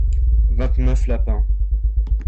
vingt neuf lapins.